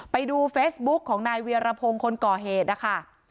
ไปดูเฟซบุ๊กของนายเวียรพงศ์คนก่อเหตุนะคะ